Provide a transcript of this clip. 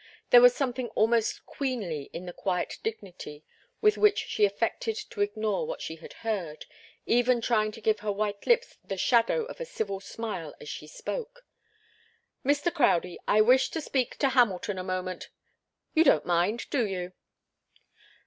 There was something almost queenly in the quiet dignity with which she affected to ignore what she had heard, even trying to give her white lips the shadow of a civil smile as she spoke. "Mr. Crowdie, I wish to speak to Hamilton a moment you don't mind, do you?"